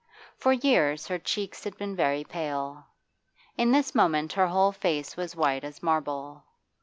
For years her cheeks had been very pale; in this moment her whole face was white as marble.